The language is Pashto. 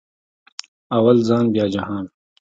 اول ځان بیا جهان